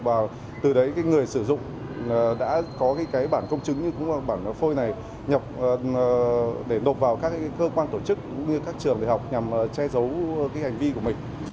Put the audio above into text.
và từ đấy người sử dụng đã có bản công chứng như bản phôi này để đột vào các cơ quan tổ chức cũng như các trường đại học nhằm che giấu hành vi của mình